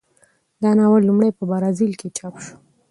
دا ناول لومړی په برازیل کې چاپ شو.